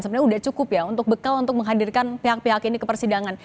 sebenarnya sudah cukup ya untuk bekal untuk menghadirkan pihak pihak ini ke persidangan